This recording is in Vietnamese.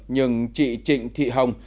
nhưng chị trịnh thị hồng